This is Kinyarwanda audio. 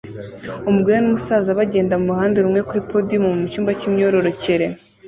Umugore numusaza bagenda muruhande rumwe kuri podiyumu mucyumba cyimyororokere